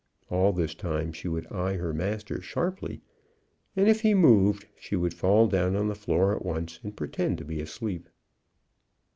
All this time she would eye her master sharply, and if he moved, she would fall down on the floor at once, and pretend to be asleep.